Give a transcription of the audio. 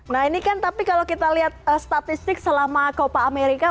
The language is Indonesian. nah ini kan tapi kalau kita lihat statistik selama copa amerika